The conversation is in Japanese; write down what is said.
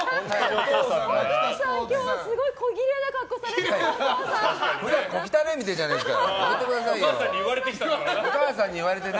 お父さん、今日すごいこぎれいな格好されてますね。